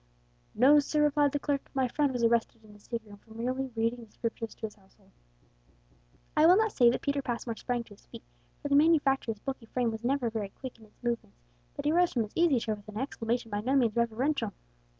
"No, sir," replied the clerk; "my friend was arrested in his sick room for merely reading the Scriptures to his household!" I will not say that Peter Passmore sprang to his feet, for the manufacturer's bulky frame was never very quick in its movements, but he rose from his easy chair with an exclamation by no means reverential.